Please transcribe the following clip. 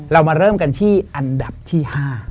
เรามาเริ่มกันที่อันดับที่๕